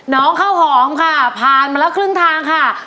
น้องข้าวหอมค่ะผ่านมาแล้วครึ่งทางค่ะ